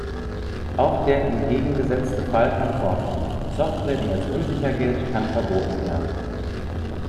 Auch der entgegengesetzte Fall kann vorkommen: Software, die als unsicher gilt, kann verboten werden.